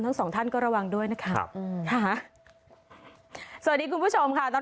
ฮัลโหลฮัลโหลฮัลโหลฮัลโหลฮัลโหลฮัลโหล